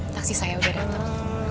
taksi saya udah datang